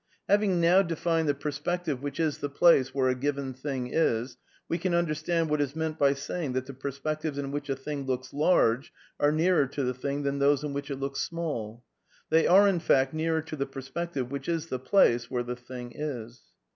''.••^' Having now defined the perspective which is the place where a given thing is, we can understand what is meant by saying that the perspectives in which a thing looks large are nearer to the thing than those in which it looks small: they are, in fact, nearer to the persi)ective which is the place where the thing is.